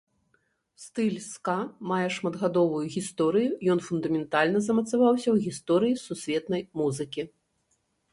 Стыль ска мае шматгадовую гісторыю, ён фундаментальна замацаваўся ў гісторыі сусветнай музыкі.